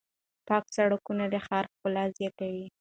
پاک سړکونه د ښار ښکلا زیاتوي.